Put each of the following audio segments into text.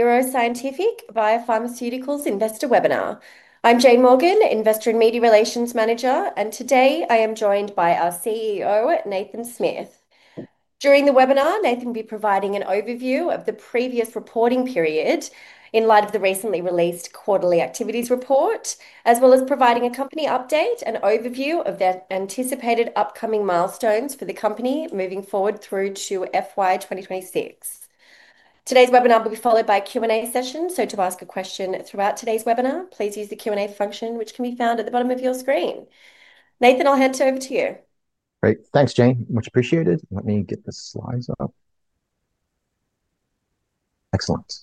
NeuroScientific Biopharmaceuticals Investor Webinar. I'm Jane Morgan, Investor and Media Relations Manager, and today I am joined by our CEO, Nathan Smith. During the webinar, Nathan will be providing an overview of the previous reporting period in light of the recently released Quarterly Activities Report, as well as providing a company update and overview of their anticipated upcoming milestones for the company moving forward through to FY 2026. Today's webinar will be followed by a Q&A session, so to ask a question throughout today's webinar, please use the Q&A function, which can be found at the bottom of your screen. Nathan, I'll hand it over to you. Great. Thanks, Jane. Much appreciated. Let me get the slides up. Excellent.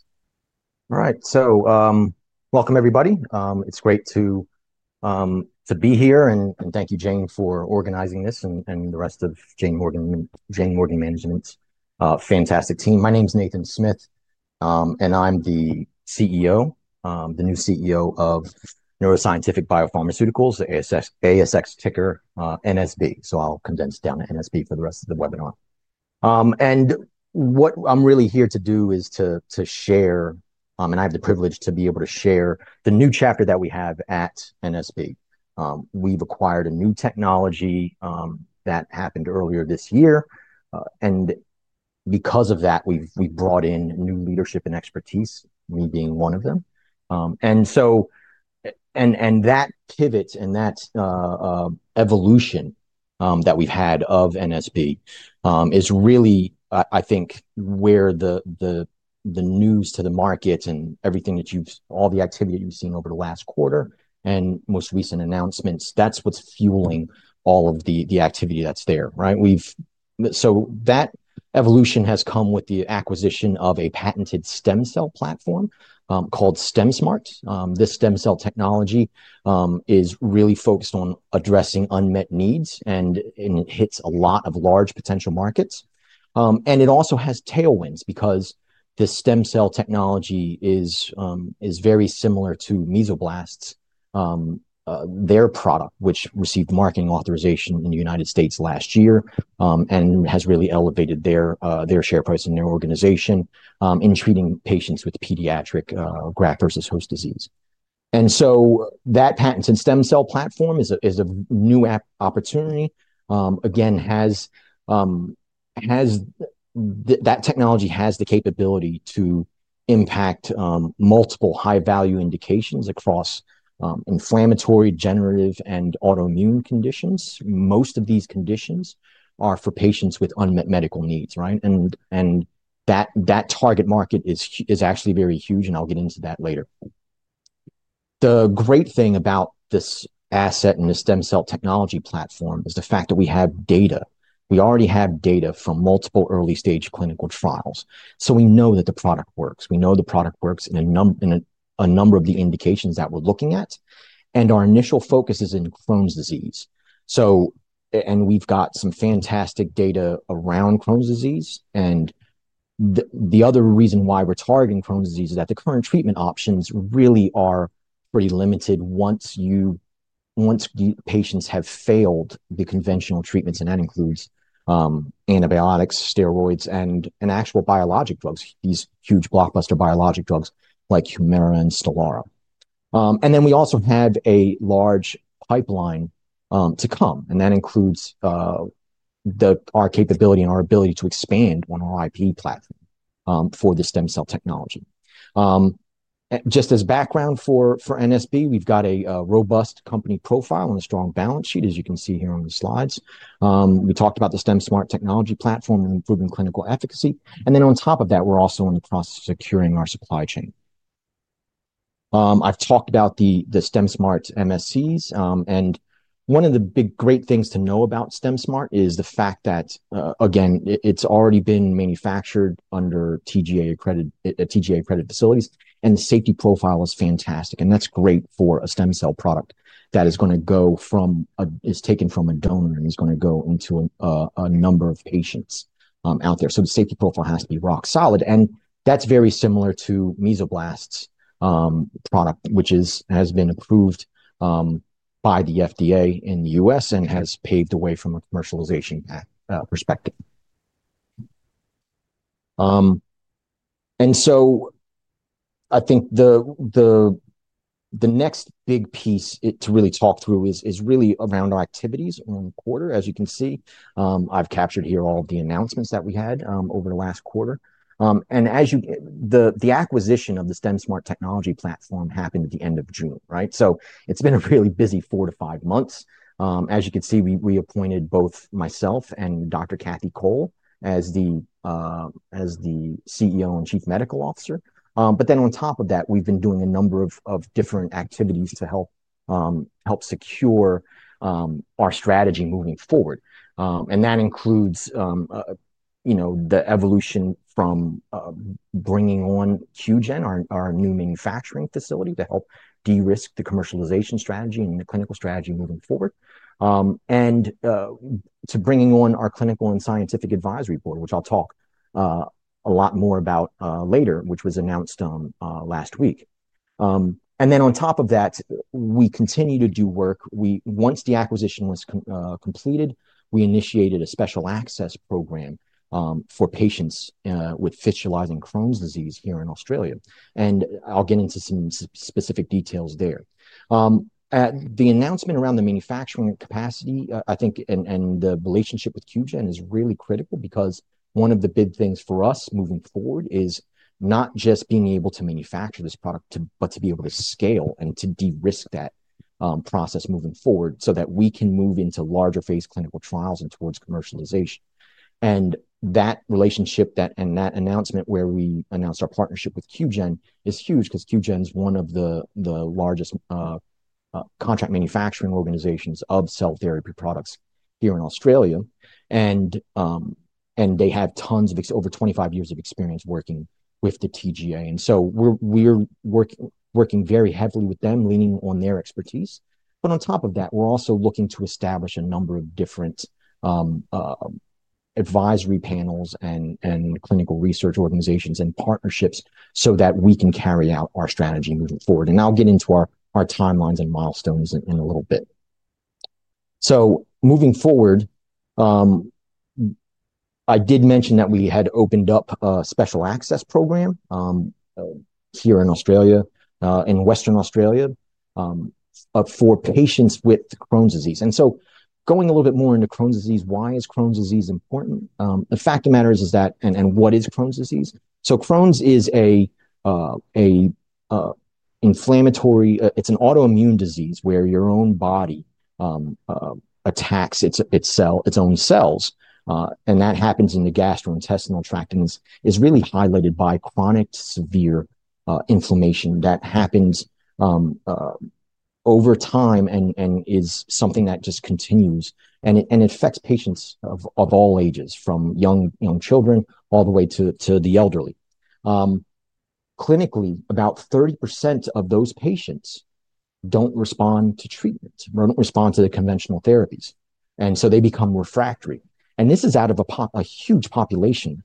All right, so welcome, everybody. It's great to be here, and thank you, Jane, for organizing this and the rest of Jane Morgan Management's fantastic team. My name is Nathan Smith, and I'm the CEO, the new CEO of NeuroScientific Biopharmaceuticals, ASX: NSB. I'll condense down to NSB for the rest of the webinar. What I'm really here to do is to share, and I have the privilege to be able to share the new chapter that we have at NSB. We've acquired a new technology that happened earlier this year, and because of that, we've brought in new leadership and expertise, me being one of them. That pivot and that evolution that we've had of NSB is really, I think, where the news to the market and everything that you've—all the activity that you've seen over the last quarter and most recent announcements, that's what's fueling all of the activity that's there. That evolution has come with the acquisition of a patented stem cell platform called StemSmart. This stem cell technology is really focused on addressing unmet needs, and it hits a lot of large potential markets. It also has tailwinds because this stem cell technology is very similar to Mesoblast, their product, which received marketing authorization in the United States last year and has really elevated their share price in their organization in treating patients with pediatric graft versus host disease. That patented stem cell platform is a new opportunity. Again, that technology has the capability to impact multiple high-value indications across inflammatory, degenerative, and autoimmune conditions. Most of these conditions are for patients with unmet medical needs, right? That target market is actually very huge, and I'll get into that later. The great thing about this asset and this stem cell technology platform is the fact that we have data. We already have data from multiple early-stage clinical trials. We know that the product works. We know the product works in a number of the indications that we're looking at. Our initial focus is in Crohn's disease. We've got some fantastic data around Crohn's disease. The other reason why we're targeting Crohn's disease is that the current treatment options really are pretty limited once patients have failed the conventional treatments, and that includes antibiotics, steroids, and actual biologic drugs, these huge blockbuster biologic drugs like Humira and Stelara. We also have a large pipeline to come, and that includes our capability and our ability to expand on our IP platform for the stem cell technology. Just as background for NSB, we've got a robust company profile and a strong balance sheet, as you can see here on the slides. We talked about the STEMsmart technology platform and improving clinical efficacy. On top of that, we're also in the process of securing our supply chain. I've talked about the STEMsmart MSCs, and one of the big great things to know about STEMsmart is the fact that, again, it's already been manufactured under TGA-accredited facilities, and the safety profile is fantastic. That's great for a stem cell product that is going to go from—is taken from a donor, and it's going to go into a number of patients out there. The safety profile has to be rock solid. That's very similar to Mesoblast's product, which has been approved by the FDA in the U.S. and has paved the way from a commercialization perspective. I think the next big piece to really talk through is really around our activities around the quarter. As you can see, I've captured here all of the announcements that we had over the last quarter. The acquisition of the STEMsmart technology platform happened at the end of June, right? It has been a really busy four to five months. As you can see, we appointed both myself and Dr. Kathy Cole as the CEO and Chief Medical Officer. On top of that, we have been doing a number of different activities to help secure our strategy moving forward. That includes the evolution from bringing on Qiagen, our new manufacturing facility, to help de-risk the commercialization strategy and the clinical strategy moving forward, and to bringing on our Clinical and Scientific Advisory Board, which I will talk a lot more about later, which was announced last week. On top of that, we continue to do work. Once the acquisition was completed, we initiated a special access program for patients with fistulizing Crohn's disease here in Australia. I'll get into some specific details there. The announcement around the manufacturing capacity, I think, and the relationship with Qiagen is really critical because one of the big things for us moving forward is not just being able to manufacture this product, but to be able to scale and to de-risk that process moving forward so that we can move into larger phase clinical trials and towards commercialization. That relationship and that announcement where we announced our partnership with Qiagen is huge because Qiagen is one of the largest contract manufacturing organizations of cell therapy products here in Australia. They have over 25 years of experience working with the TGA. We're working very heavily with them, leaning on their expertise. On top of that, we're also looking to establish a number of different advisory panels and clinical research organizations and partnerships so that we can carry out our strategy moving forward. I'll get into our timelines and milestones in a little bit. Moving forward, I did mention that we had opened up a special access program here in Australia, in Western Australia, for patients with Crohn's disease. Going a little bit more into Crohn's disease, why is Crohn's disease important? The fact of the matter is that—what is Crohn's disease? Crohn's is an inflammatory—it's an autoimmune disease where your own body attacks its own cells. That happens in the gastrointestinal tract and is really highlighted by chronic severe inflammation that happens over time and is something that just continues. It affects patients of all ages, from young children all the way to the elderly. Clinically, about 30% of those patients do not respond to treatment, do not respond to the conventional therapies. They become refractory. This is out of a huge population,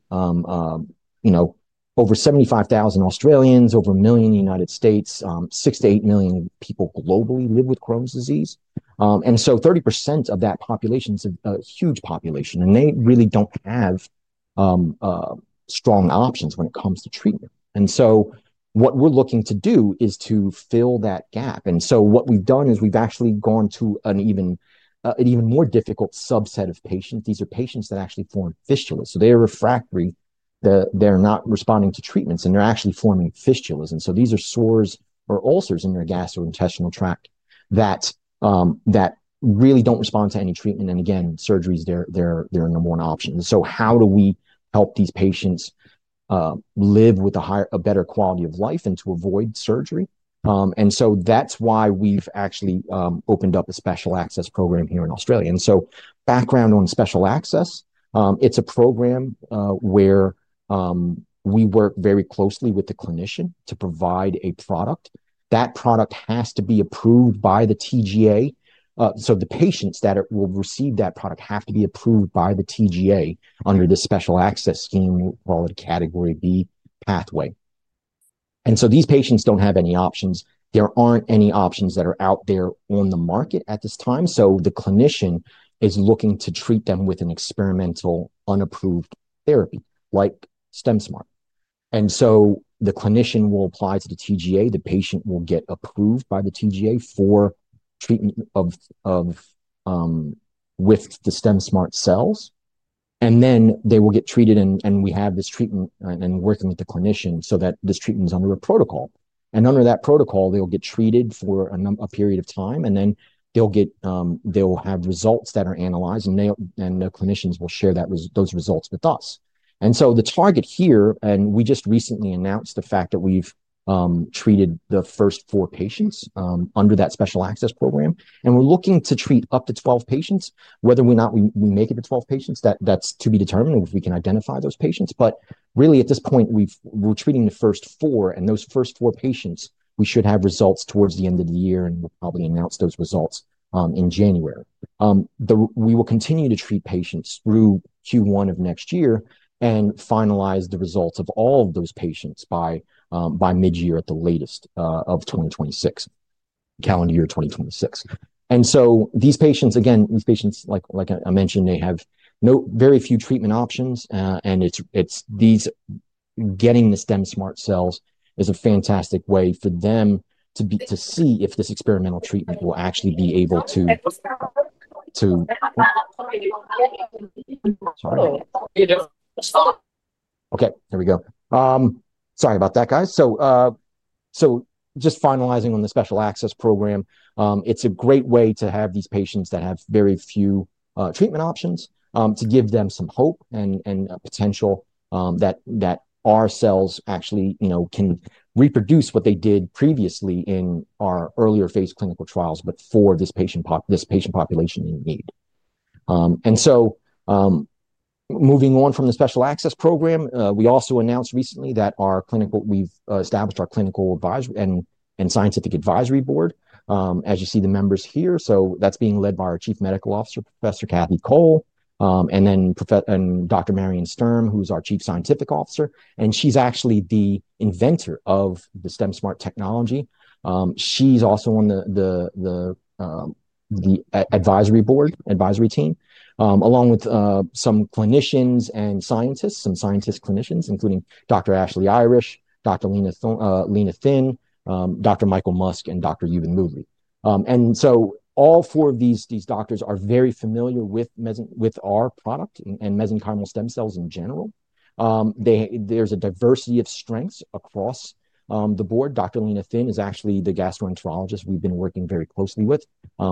over 75,000 Australians, over a million in the United States, 68 million people globally live with Crohn's disease. 30% of that population is a huge population, and they really do not have strong options when it comes to treatment. What we are looking to do is to fill that gap. What we have done is we have actually gone to an even more difficult subset of patients. These are patients that actually form fistulas. They are refractory, they are not responding to treatments, and they are actually forming fistulas. These are sores or ulcers in their gastrointestinal tract that really do not respond to any treatment. Surgeries are no more an option. How do we help these patients live with a better quality of life and avoid surgery? That is why we have actually opened up a special access program here in Australia. Background on special access, it is a program where we work very closely with the clinician to provide a product. That product has to be approved by the TGA. The patients that will receive that product have to be approved by the TGA under the special access scheme called a category B pathway. These patients do not have any options. There are not any options that are out there on the market at this time. The clinician is looking to treat them with an experimental unapproved therapy like STEMsmart. The clinician will apply to the TGA. The patient will get approved by the TGA for treatment with the STEMsmart cells. They will get treated, and we have this treatment and are working with the clinician so that this treatment is under a protocol. Under that protocol, they'll get treated for a period of time, and then they'll have results that are analyzed, and the clinicians will share those results with us. The target here, and we just recently announced the fact that we've treated the first four patients under that special access program. We're looking to treat up to 12 patients. Whether or not we make it to 12 patients, that's to be determined if we can identify those patients. At this point, we're treating the first four, and those first four patients, we should have results towards the end of the year, and we'll probably announce those results in January. We will continue to treat patients through Q1 of next year and finalize the results of all of those patients by mid-year at the latest of 2026, calendar year 2026. These patients, again, like I mentioned, they have very few treatment options, and getting the STEMsmart cells is a fantastic way for them to see if this experimental treatment will actually be able to—okay, there we go. Sorry about that, guys. Just finalizing on the special access program, it's a great way to have these patients that have very few treatment options to give them some hope and potential that our cells actually can reproduce what they did previously in our earlier phase clinical trials, but for this patient population in need. Moving on from the special access program, we also announced recently that we've established our Clinical and Scientific Advisory Board, as you see the members here. That's being led by our Chief Medical Officer, Professor Catherine Cole, and then Dr. Marion Sturm, who's our Chief Scientific Officer. She's actually the inventor of the STEMsmart technology. She's also on the advisory board, advisory team, along with some clinicians and scientists, some scientist clinicians, including Dr. Ashley Irish, Dr. Lena Thin, Dr. Michael Musk, and Dr. Ewan Moodley. All four of these doctors are very familiar with our product and mesenchymal stem cells in general. There is a diversity of strengths across the board. Dr. Lena Thin is actually the gastroenterologist we have been working very closely with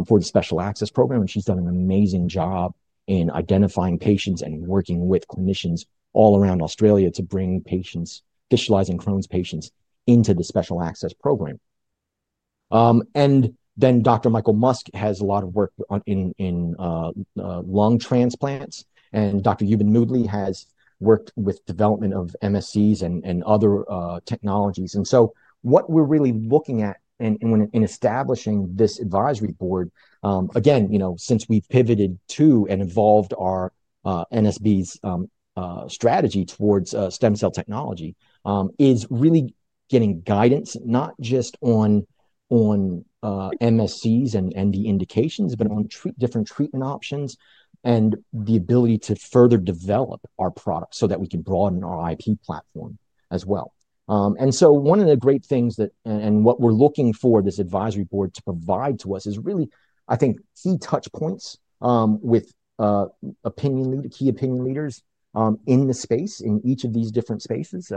for the special access program, and she has done an amazing job in identifying patients and working with clinicians all around Australia to bring patients, fistulizing Crohn's patients, into the special access program. Dr. Michael Musk has a lot of work in lung transplants, and Dr. Ewan Moodley has worked with development of MSCs and other technologies. What we're really looking at in establishing this advisory board, again, since we've pivoted to and evolved our NSB's strategy towards stem cell technology, is really getting guidance not just on MSCs and the indications, but on different treatment options and the ability to further develop our product so that we can broaden our IP platform as well. One of the great things that—what we're looking for this advisory board to provide to us is really, I think, key touch points with key opinion leaders in the space, in each of these different spaces,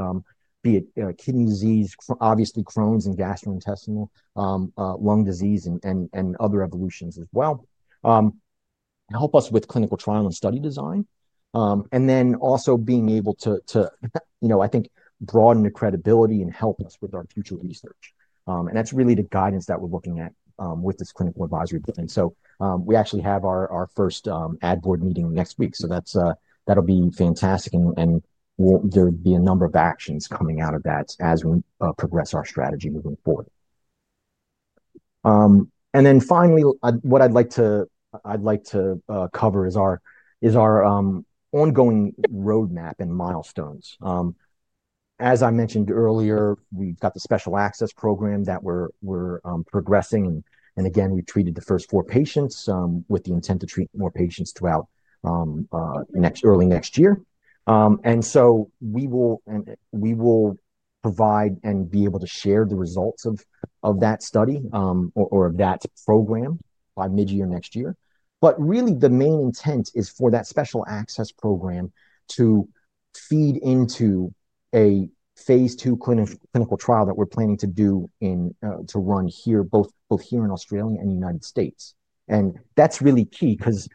be it kidney disease, obviously Crohn's and gastrointestinal lung disease, and other evolutions as well, help us with clinical trial and study design, and then also being able to, I think, broaden the credibility and help us with our future research. That is really the guidance that we're looking at with this clinical advisory board. We actually have our first ad board meeting next week. That will be fantastic, and there will be a number of actions coming out of that as we progress our strategy moving forward. Finally, what I'd like to cover is our ongoing roadmap and milestones. As I mentioned earlier, we've got the special access program that we're progressing. We treated the first four patients with the intent to treat more patients throughout early next year. We will provide and be able to share the results of that study or of that program by mid-year next year. Really, the main intent is for that special access program to feed into a phase two clinical trial that we're planning to run here both in Australia and the United States. That's really key because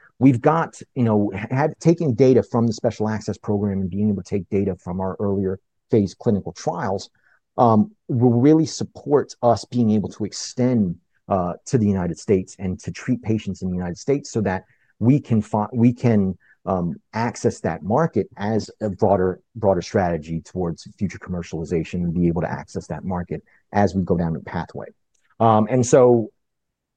taking data from the special access program and being able to take data from our earlier phase clinical trials will really support us being able to extend to the United States and to treat patients in the United States so that we can access that market as a broader strategy towards future commercialization and be able to access that market as we go down the pathway.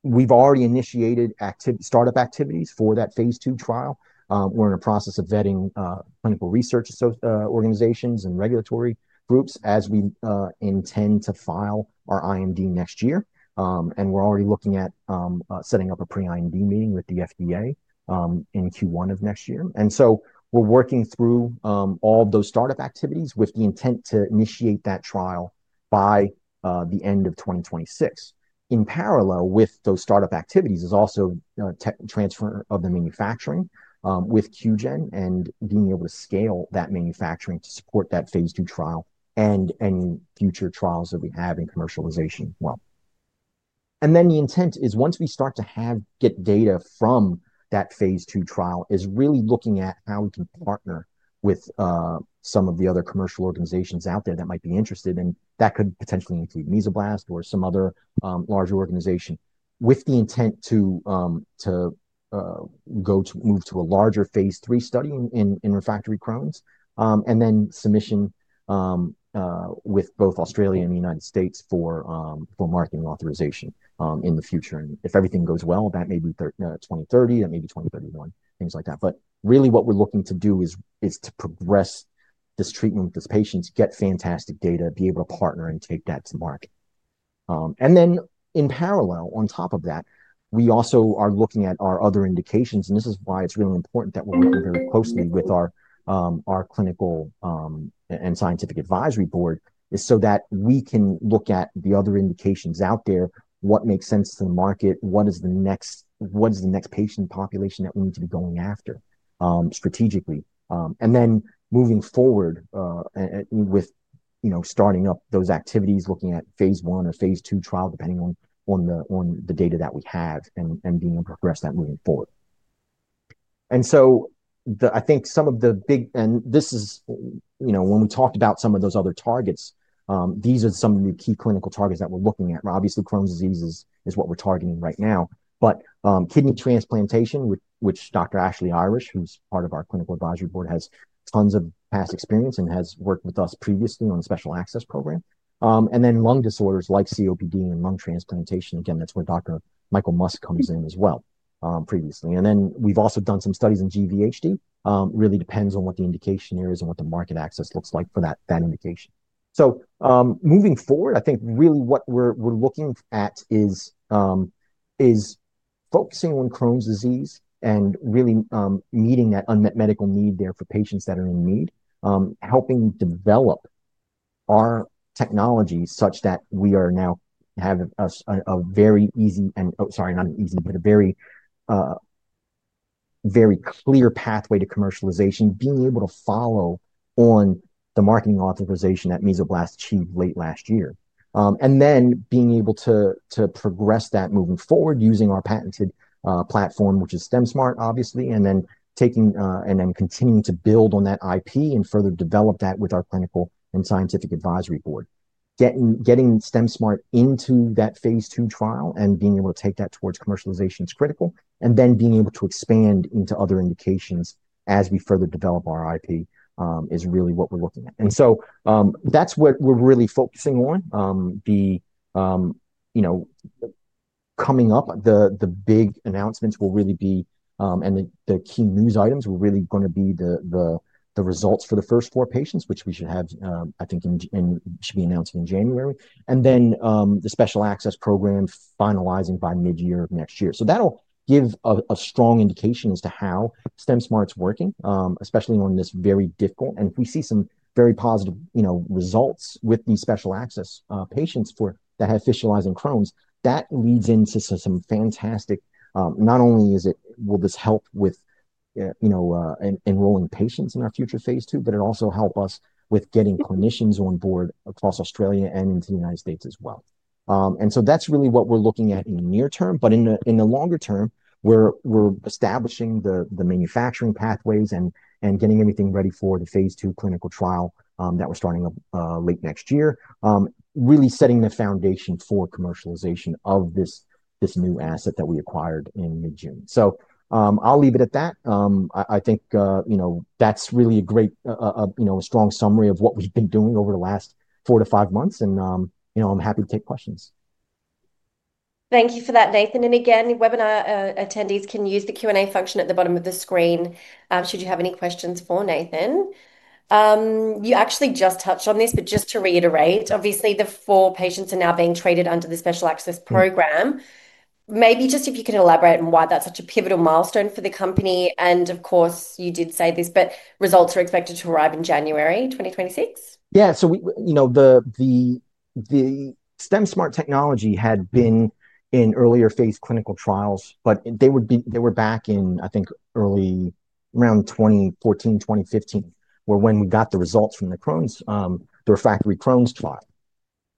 We've already initiated startup activities for that phase two trial. We're in the process of vetting clinical research organizations and regulatory groups as we intend to file our IND next year. We are already looking at setting up a pre-IMD meeting with the FDA in Q1 of next year. We are working through all of those startup activities with the intent to initiate that trial by the end of 2026. In parallel with those startup activities is also transfer of the manufacturing with Qiagen and being able to scale that manufacturing to support that phase 2 trial and future trials that we have in commercialization as well. The intent is once we start to get data from that phase two trial is really looking at how we can partner with some of the other commercial organizations out there that might be interested, and that could potentially include Mesoblast or some other larger organization with the intent to go to move to a larger phase three study in refractory Crohn's and then submission with both Australia and the United States for marketing authorization in the future. If everything goes well, that may be 2030, that may be 2031, things like that. Really, what we're looking to do is to progress this treatment with these patients, get fantastic data, be able to partner and take that to market. In parallel, on top of that, we also are looking at our other indications. This is why it's really important that we're working very closely with our Clinical and Scientific Advisory Board so that we can look at the other indications out there, what makes sense to the market, what is the next patient population that we need to be going after strategically. Then moving forward with starting up those activities, looking at phase one or phase two trial depending on the data that we have and being able to progress that moving forward. I think some of the big—and this is when we talked about some of those other targets, these are some of the key clinical targets that we're looking at. Obviously, Crohn's disease is what we're targeting right now. Kidney transplantation, which Dr. Ashley Irish, who's part of our Clinical Advisory Board, has tons of past experience and has worked with us previously on the special access program. Lung disorders like COPD and lung transplantation, that's where Dr. Michael Musk comes in as well previously. We've also done some studies in GVHD. It really depends on what the indication here is and what the market access looks like for that indication. Moving forward, I think really what we're looking at is focusing on Crohn's disease and really meeting that unmet medical need there for patients that are in need, helping develop our technology such that we now have a very easy—and sorry, not an easy, but a very clear pathway to commercialization, being able to follow on the marketing authorization that Mesoblast achieved late last year. Then being able to progress that moving forward using our patented platform, which is STEMsmart, obviously, and then taking and then continuing to build on that IP and further develop that with our clinical and scientific advisory board. Getting STEMsmart into that phase two trial and being able to take that towards commercialization is critical. Then being able to expand into other indications as we further develop our IP is really what we're looking at. That is what we're really focusing on. Coming up, the big announcements will really be—the key news items will really be the results for the first four patients, which we should have, I think, should be announced in January. Then the special access program finalizing by mid-year of next year. That will give a strong indication as to how STEMsmart's working, especially on this very difficult. If we see some very positive results with these special access patients that have fistulizing Crohn's, that leads into some fantastic—not only will this help with enrolling patients in our future phase two, but it will also help us with getting clinicians on board across Australia and into the United States as well. That is really what we are looking at in the near term. In the longer term, we are establishing the manufacturing pathways and getting everything ready for the phase two clinical trial that we are starting late next year, really setting the foundation for commercialization of this new asset that we acquired in mid-June. I will leave it at that. I think that is really a great, a strong summary of what we have been doing over the last four to five months. I am happy to take questions. Thank you for that, Nathan. Again, webinar attendees can use the Q&A function at the bottom of the screen should you have any questions for Nathan. You actually just touched on this, but just to reiterate, obviously, the four patients are now being treated under the special access program. Maybe just if you can elaborate on why that's such a pivotal milestone for the company. Of course, you did say this, but results are expected to arrive in January 2026. Yeah. The STEMsmart technology had been in earlier phase clinical trials, but they were back in, I think, early around 2014, 2015, when we got the results from the Crohn's, the refractory Crohn's trial.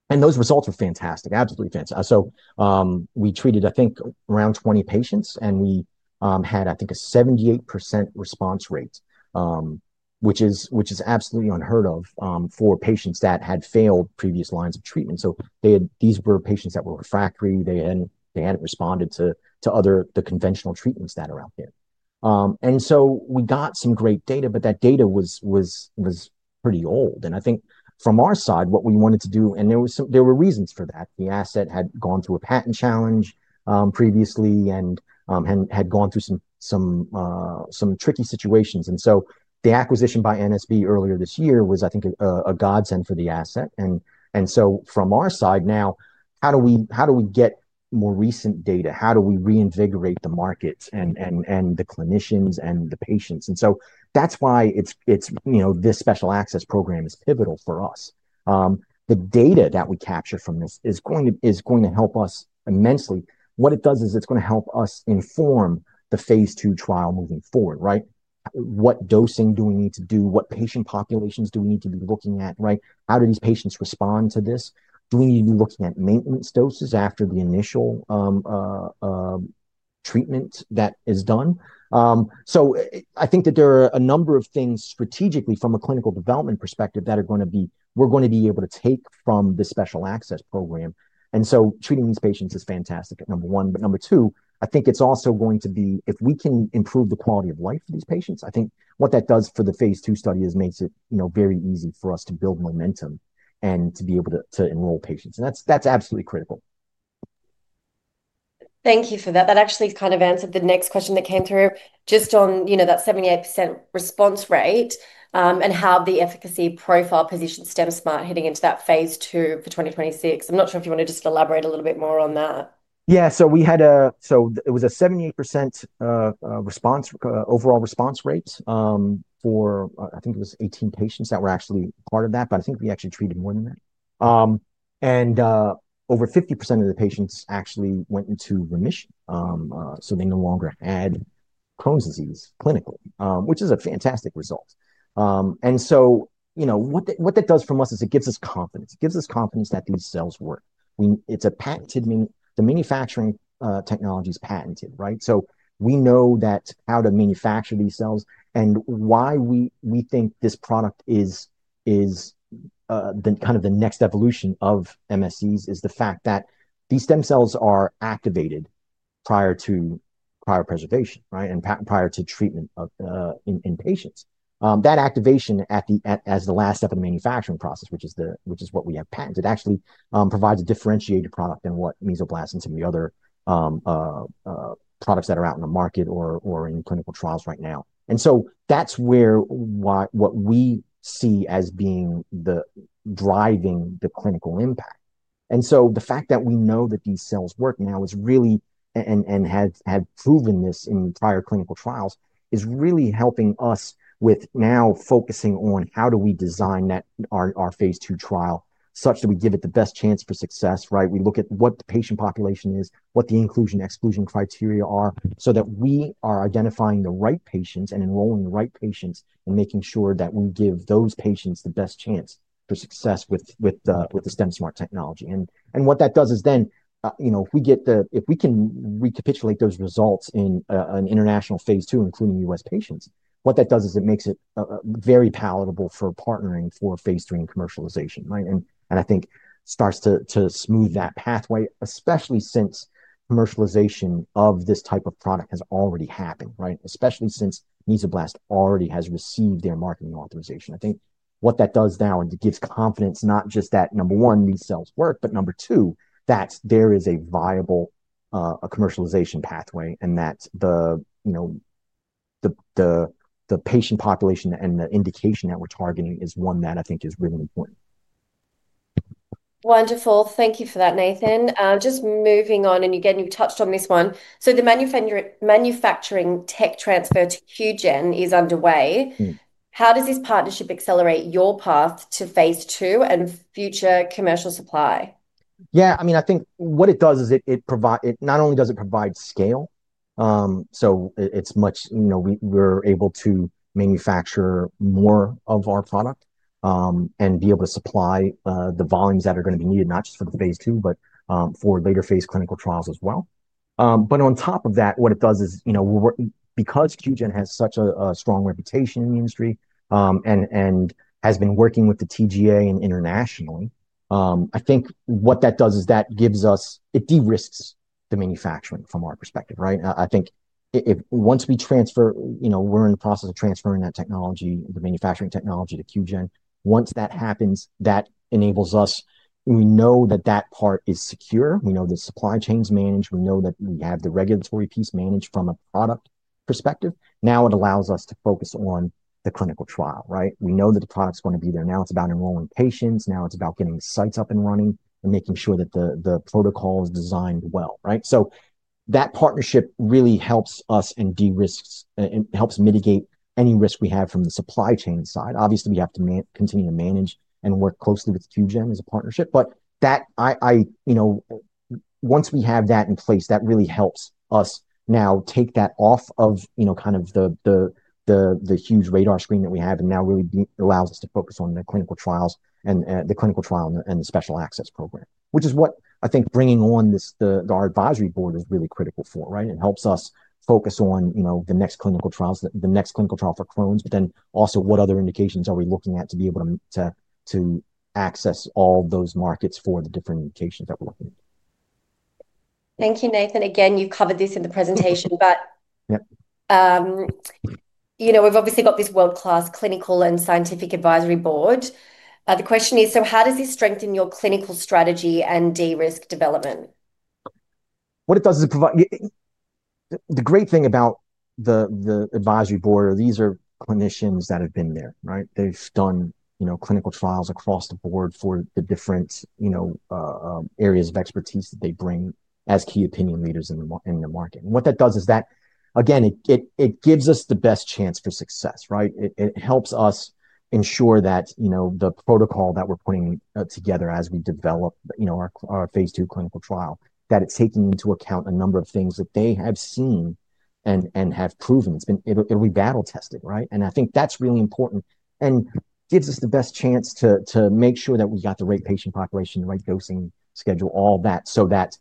Those results were fantastic, absolutely fantastic. We treated, I think, around 20 patients, and we had, I think, a 78% response rate, which is absolutely unheard of for patients that had failed previous lines of treatment. These were patients that were refractory. They had not responded to the conventional treatments that are out there. We got some great data, but that data was pretty old. I think from our side, what we wanted to do—and there were reasons for that. The asset had gone through a patent challenge previously and had gone through some tricky situations. The acquisition by NSB earlier this year was, I think, a godsend for the asset. From our side now, how do we get more recent data? How do we reinvigorate the market and the clinicians and the patients? That is why this special access program is pivotal for us. The data that we capture from this is going to help us immensely. What it does is it's going to help us inform the phase two trial moving forward, right? What dosing do we need to do? What patient populations do we need to be looking at, right? How do these patients respond to this? Do we need to be looking at maintenance doses after the initial treatment that is done? I think that there are a number of things strategically from a clinical development perspective that are going to be—we're going to be able to take from the special access program. Treating these patients is fantastic, number one. Number two, I think it's also going to be—if we can improve the quality of life for these patients, I think what that does for the phase two study is makes it very easy for us to build momentum and to be able to enroll patients. That's absolutely critical. Thank you for that. That actually kind of answered the next question that came through just on that 78% response rate and how the efficacy profile positions STEMsmart hitting into that phase two for 2026. I'm not sure if you want to just elaborate a little bit more on that. Yeah. It was a 78% overall response rate for, I think it was 18 patients that were actually part of that, but I think we actually treated more than that. Over 50% of the patients actually went into remission. They no longer had Crohn's disease clinically, which is a fantastic result. What that does for us is it gives us confidence. It gives us confidence that these cells work. It's a patented—the manufacturing technology is patented, right? We know how to manufacture these cells. Why we think this product is kind of the next evolution of MSCs is the fact that these stem cells are activated prior to prior preservation, right, and prior to treatment in patients. That activation as the last step in the manufacturing process, which is what we have patented, actually provides a differentiated product than what Mesoblast and some of the other products that are out in the market or in clinical trials right now. That's what we see as being the driving clinical impact. The fact that we know that these cells work now is really—and have proven this in prior clinical trials—is really helping us with now focusing on how do we design our phase two trial such that we give it the best chance for success, right? We look at what the patient population is, what the inclusion/exclusion criteria are so that we are identifying the right patients and enrolling the right patients and making sure that we give those patients the best chance for success with the STEMsmart technology. What that does is then if we get the—if we can recapitulate those results in an international phase two, including U.S. patients, what that does is it makes it very palatable for partnering for phase three and commercialization, right? I think starts to smooth that pathway, especially since commercialization of this type of product has already happened, right? Especially since Mesoblast already has received their marketing authorization. I think what that does now is it gives confidence, not just that, number one, these cells work, but number two, that there is a viable commercialization pathway and that the patient population and the indication that we're targeting is one that I think is really important. Wonderful. Thank you for that, Nathan. Just moving on, and again, you touched on this one. The manufacturing tech transfer to Qiagen is underway. How does this partnership accelerate your path to phase two and future commercial supply? Yeah. I mean, I think what it does is it not only does it provide scale, so it's much—we're able to manufacture more of our product and be able to supply the volumes that are going to be needed, not just for the phase two, but for later phase clinical trials as well. On top of that, what it does is because Qiagen has such a strong reputation in the industry and has been working with the TGA and internationally, I think what that does is that gives us—it de-risks the manufacturing from our perspective, right? I think once we transfer—we're in the process of transferring that technology, the manufacturing technology to Qiagen. Once that happens, that enables us—we know that that part is secure. We know the supply chain's managed. We know that we have the regulatory piece managed from a product perspective. Now it allows us to focus on the clinical trial, right? We know that the product's going to be there. Now it's about enrolling patients. Now it's about getting the sites up and running and making sure that the protocol is designed well, right? That partnership really helps us and de-risks and helps mitigate any risk we have from the supply chain side. Obviously, we have to continue to manage and work closely with Qiagen as a partnership. Once we have that in place, that really helps us now take that off of kind of the huge radar screen that we have and now really allows us to focus on the clinical trials and the clinical trial and the special access program, which is what I think bringing on our advisory board is really critical for, right? It helps us focus on the next clinical trials, the next clinical trial for Crohn's, but then also what other indications are we looking at to be able to access all those markets for the different indications that we're looking at. Thank you, Nathan. Again, you covered this in the presentation, but we've obviously got this world-class clinical and scientific advisory board. The question is, so how does this strengthen your clinical strategy and de-risk development? What it does is provide—the great thing about the advisory board, these are clinicians that have been there, right? They've done clinical trials across the board for the different areas of expertise that they bring as key opinion leaders in the market. What that does is that, again, it gives us the best chance for success, right? It helps us ensure that the protocol that we're putting together as we develop our phase two clinical trial, that it's taking into account a number of things that they have seen and have proven. It'll be battle-tested, right? I think that's really important and gives us the best chance to make sure that we got the right patient population, the right dosing schedule, all that, so that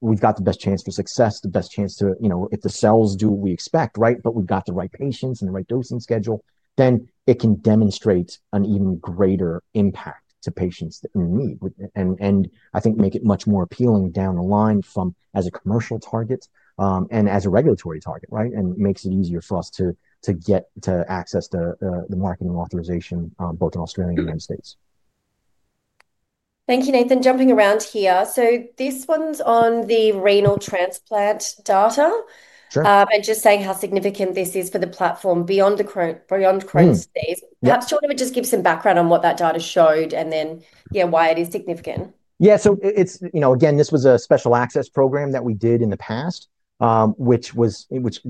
we've got the best chance for success, the best chance to—if the cells do what we expect, right? We've got the right patients and the right dosing schedule, then it can demonstrate an even greater impact to patients in need. I think make it much more appealing down the line as a commercial target and as a regulatory target, right? It makes it easier for us to get to access the marketing authorization both in Australia and the United States. Thank you, Nathan. Jumping around here. This one's on the renal transplant data. Just saying how significant this is for the platform beyond Crohn's disease. Perhaps you want to just give some background on what that data showed and then, yeah, why it is significant. Yeah. This was a special access program that we did in the past, which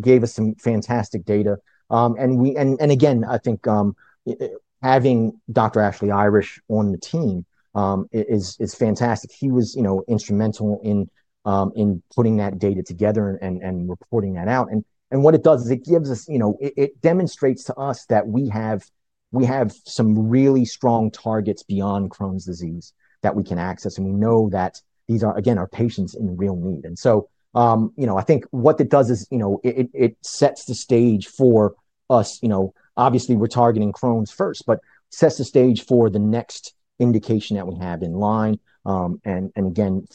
gave us some fantastic data. I think having Dr. Ashley Irish on the team is fantastic. He was instrumental in putting that data together and reporting that out. What it does is it gives us—it demonstrates to us that we have some really strong targets beyond Crohn's disease that we can access. We know that these are, again, our patients in real need. I think what it does is it sets the stage for us. Obviously, we're targeting Crohn's first, but it sets the stage for the next indication that we have in line. Again,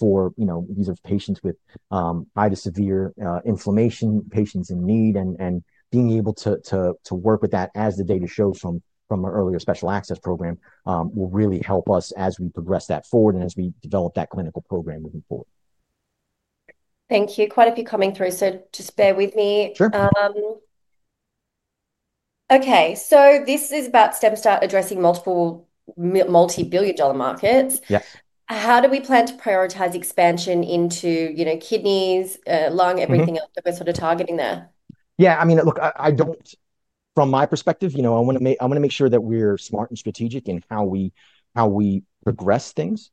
these are patients with high to severe inflammation, patients in need, and being able to work with that, as the data shows from our earlier special access program, will really help us as we progress that forward and as we develop that clinical program moving forward. Thank you. Quite a few coming through. Just bear with me. This is about STEMsmart addressing multi-billion-dollar markets. How do we plan to prioritize expansion into kidneys, lung, everything else that we are sort of targeting there? I mean, look, from my perspective, I want to make sure that we are smart and strategic in how we progress things.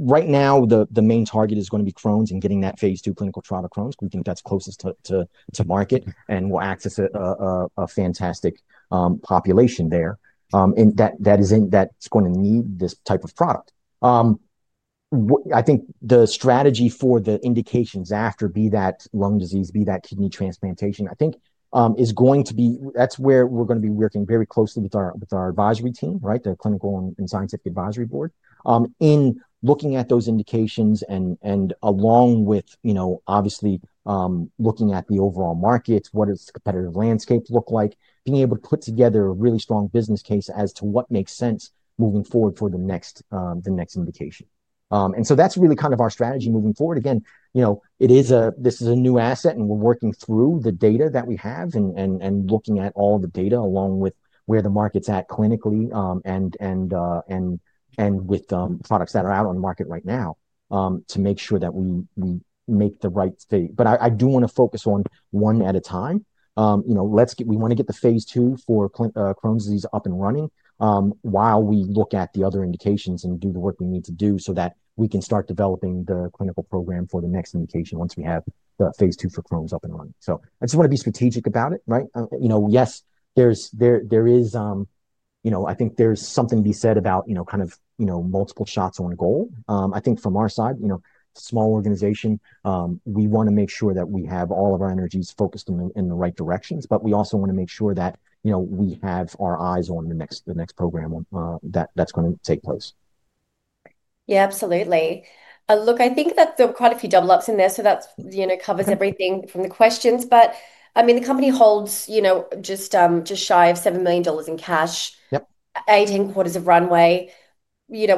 Right now, the main target is going to be Crohn's and getting that phase two clinical trial of Crohn's. We think that's closest to market, and we'll access a fantastic population there that's going to need this type of product. I think the strategy for the indications after, be that lung disease, be that kidney transplantation, I think is going to be—that's where we're going to be working very closely with our advisory team, right, the Clinical and Scientific Advisory Board, in looking at those indications and along with, obviously, looking at the overall markets, what does the competitive landscape look like, being able to put together a really strong business case as to what makes sense moving forward for the next indication. That is really kind of our strategy moving forward. Again, this is a new asset, and we're working through the data that we have and looking at all the data along with where the market's at clinically and with products that are out on the market right now to make sure that we make the right—but I do want to focus on one at a time. We want to get the phase two for Crohn's disease up and running while we look at the other indications and do the work we need to do so that we can start developing the clinical program for the next indication once we have the phase two for Crohn's up and running. I just want to be strategic about it, right? Yes, there is—I think there's something to be said about kind of multiple shots on goal. I think from our side, small organization, we want to make sure that we have all of our energies focused in the right directions, but we also want to make sure that we have our eyes on the next program that's going to take place. Yeah, absolutely. Look, I think that there are quite a few double-ups in there, so that covers everything from the questions. I mean, the company holds just shy of $7 million in cash, 18 quarters of runway,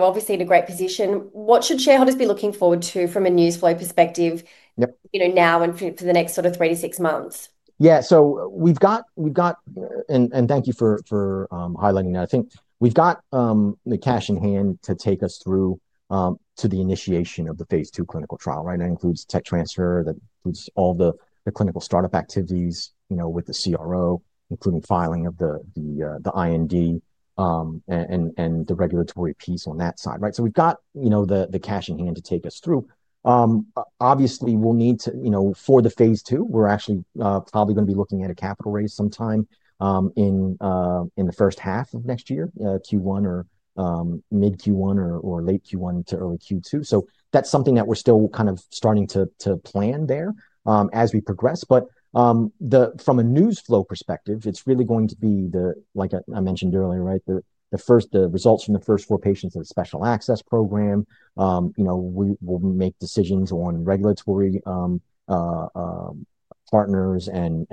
obviously in a great position. What should shareholders be looking forward to from a news flow perspective now and for the next sort of three to six months? Yeah. We've got—and thank you for highlighting that. I think we've got the cash in hand to take us through to the initiation of the phase two clinical trial, right? That includes tech transfer. That includes all the clinical startup activities with the CRO, including filing of the IND and the regulatory piece on that side, right? So we've got the cash in hand to take us through. Obviously, we'll need to—for the phase two, we're actually probably going to be looking at a capital raise sometime in the first half of next year, Q1 or mid-Q1 or late Q1 to early Q2. That is something that we're still kind of starting to plan there as we progress. From a news flow perspective, it's really going to be, like I mentioned earlier, right, the results from the first four patients of the special access program. We will make decisions on regulatory partners and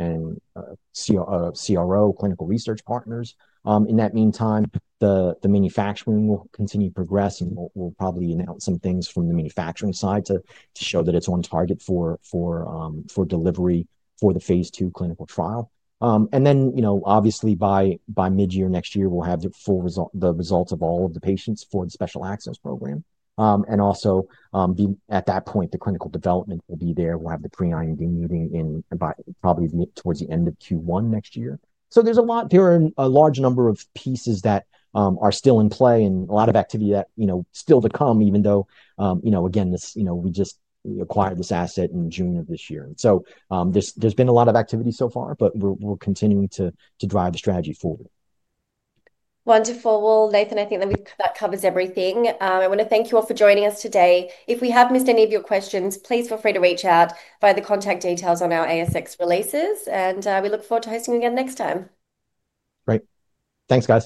CRO, clinical research partners. In that meantime, the manufacturing will continue to progress, and we'll probably announce some things from the manufacturing side to show that it's on target for delivery for the phase two clinical trial. Obviously, by mid-year next year, we'll have the results of all of the patients for the special access program. Also, at that point, the clinical development will be there. We'll have the pre-IND meeting probably towards the end of Q1 next year. There are a large number of pieces that are still in play and a lot of activity that is still to come, even though, again, we just acquired this asset in June of this year. There has been a lot of activity so far, but we're continuing to drive the strategy forward. Wonderful. Nathan, I think that covers everything. I want to thank you all for joining us today. If we have missed any of your questions, please feel free to reach out via the contact details on our ASX releases, and we look forward to hosting you again next time. Great. Thanks, guys.